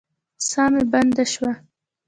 ساه مې بنده شوه.